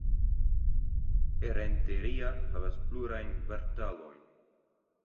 Errenteria havas plurajn kvartalojn.